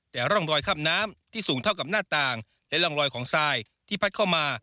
แต่ร่องรอยข้ามน้ำที่สูงเท่ากับหน้าต่างและร่องรอยของทรายที่พัดเข้ามา